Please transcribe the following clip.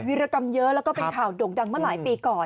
วิรกรรมเยอะแล้วก็เป็นข่าวโด่งดังมาหลายปีก่อน